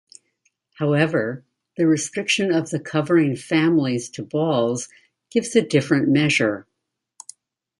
However, the restriction of the covering families to balls gives a different measure.